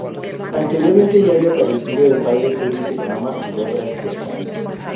Anteriormente ya había aparecido en varias series de drama y obras teatrales.